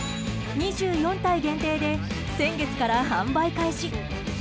２４体限定で先月から販売開始。